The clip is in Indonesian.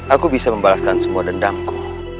aku bisa membalaskan semua dendamku